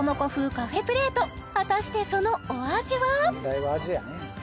果たしてそのお味は？